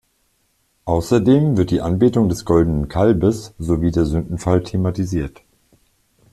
Außerdem wird die Anbetung des Goldenen Kalbes sowie der Sündenfall thematisiert.